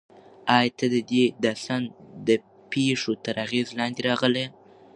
ایا ته د دې داستان د پېښو تر اغېز لاندې راغلی یې؟